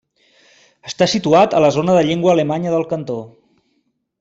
Està situat a la zona de llengua alemanya del cantó.